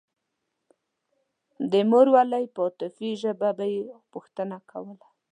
د مورولۍ په عاطفي ژبه به يې پوښتنه کوله.